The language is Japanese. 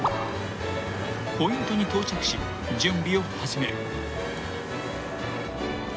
［ポイントに到着し準備を始める］